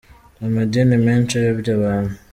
Amadini menshi ayobya abantu.